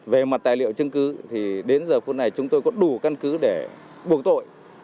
về mặt tài liệu chứng cứ thì đến giờ phút này chúng tôi có đủ căn cứ để buộc tội